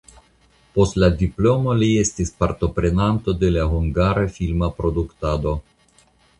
Post la diplomo li estis partoprenanto de la hungara filma produktado.